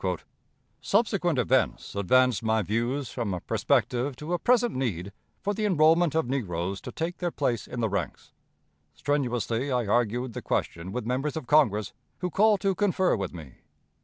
Subsequent events advanced my views from a prospective to a present need for the enrollment of negroes to take their place in the ranks. Strenuously I argued the question with members of Congress who called to confer with me.